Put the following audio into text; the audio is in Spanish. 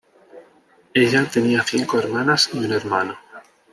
Ella tenía cinco hermanas y un hermano.